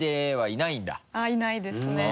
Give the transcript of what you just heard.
いないですね。